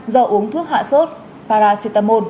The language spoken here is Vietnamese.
do uống thuốc hạ sốt paracetamol